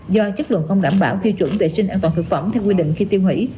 do chất lượng không đảm bảo tiêu chuẩn vệ sinh an toàn thực phẩm theo quy định khi tiêu hủy